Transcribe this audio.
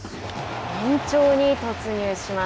延長に突入します。